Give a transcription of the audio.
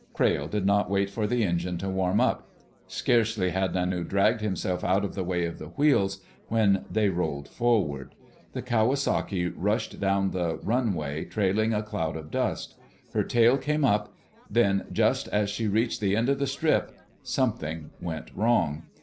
Crayle did not wait for the engine to warm up.... Scarcely had Nanu dragged himself out of the way of the wheels when they rolled forward. The Kawasaki rushed down the runway trailing a cloud of dust. Her tail came up. Then, just as she reached the end of the strip something went wrong.